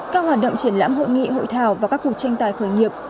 các hoạt động triển lãm hội nghị hội thảo và các cuộc tranh tài khởi nghiệp